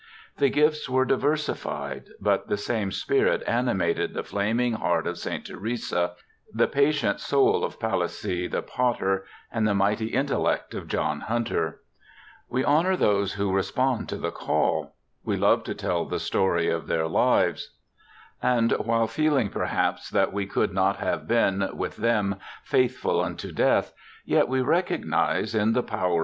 The gifts were diversified, but the same spirit animated the 'flaming heart of St. Theresa', the patient soul of Palissy the potter, and the mighty intellect of John Hunter. We honour those who respond to the call ; we love to tell the story of their lives ; and while feeling, perhaps, that we could not have been, with them, faithful unto death, yet we recognize in the power of * Read at the Johns Hopkins Hospital Historical Club, January, 1895.